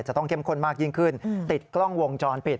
ต้องเข้มข้นมากยิ่งขึ้นติดกล้องวงจรปิด